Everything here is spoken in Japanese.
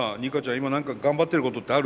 今何か頑張っていることってある？